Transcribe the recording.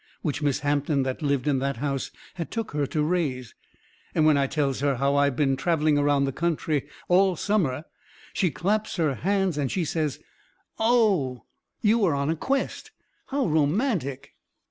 Which Miss Hampton that lived in that house had took her to raise. And when I tells her how I been travelling around the country all summer she claps her hands and she says: "Oh, you are on a quest! How romantic!"